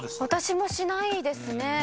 私もしないですね。